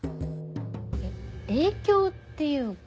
影響っていうか。